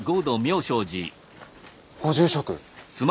ご住職！